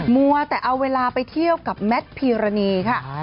มัวแต่เอาเวลาไปเที่ยวกับแมทพีรณีค่ะ